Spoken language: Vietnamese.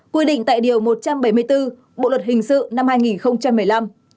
quy định tại điều một trăm bảy mươi bốn bộ luật hình sự năm hai nghìn một mươi năm